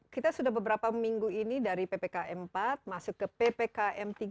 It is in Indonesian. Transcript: kita sudah beberapa minggu ini dari ppkm empat masuk ke ppkm tiga